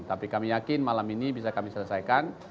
tapi kami yakin malam ini bisa kami selesaikan